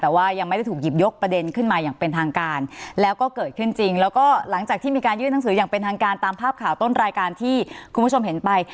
แต่ว่ายังไม่ได้ถูกหยิบยกประเด็นขึ้นมาอย่างเป็นทางการแล้วก็เกิดขึ้นจริงแล้วก็หลังจากที่มีการยื่นหนังสืออย่างเป็นทางการตามภาพข่าวต้นรายการที่คุณผู้ชมเห็นไป